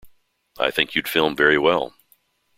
I think you'd film very well.